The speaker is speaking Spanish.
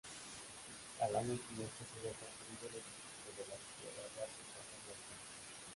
Al año siguiente sería construido el Edificio de la Sociedad de Artesanos La Unión.